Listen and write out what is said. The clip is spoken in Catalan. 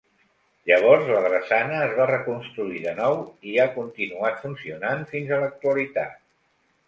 Llavors, la drassana es va reconstruir de nou i ha continuat funcionant fins a l'actualitat.